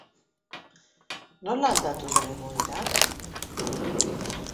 Nola aldatu da egoera?